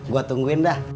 gue tungguin dah